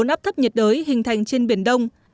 áp thấp nhiệt đới hình thành trên biển đông